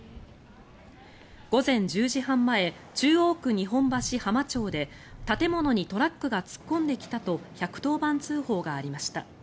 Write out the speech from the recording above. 午前１０時半前中央区日本橋浜町で建物にトラックが突っ込んできたと１１０番通報がありました。